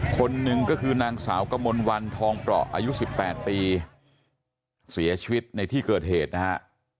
คนหนึ่งก็คือนางสาวกมลวันทองเปราะอายุ๑๘ปีเสียชีวิตในที่เกิดเหตุนะฮะ